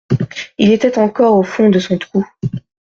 Il était encore au fond de son trou.